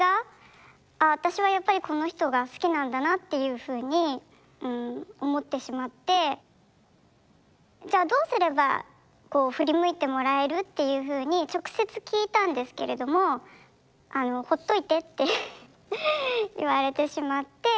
私はやっぱりこの人が好きなんだなっていうふうに思ってしまってじゃあどうすればこう振り向いてもらえる？っていうふうに直接聞いたんですけれどもほっといてって言われてしまって。